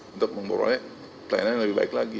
untuk memperoleh klien lain yang lebih baik lagi gitu